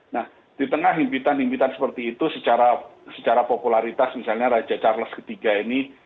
nah di tengah impitan impitan seperti itu secara popularitas misalnya raja charles iii ini